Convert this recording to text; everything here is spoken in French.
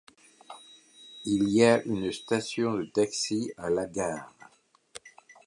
Il y a une station de taxi à la gare.